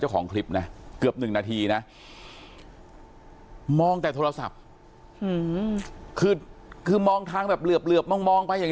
เจ้าของคลิปนะเกือบหนึ่งนาทีนะมองแต่โทรศัพท์คือคือมองทางแบบเหลือบเหลือบมองมองไปอย่าง